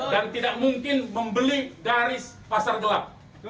dan tidak mungkin membeli dari pasar gelap